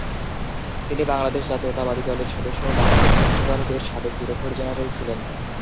তিনি বাংলাদেশ জাতীয়তাবাদী দলের সদস্য ও বাংলাদেশ কোস্ট গার্ড এর সাবেক ডিরেক্টর জেনারেল ছিলেন।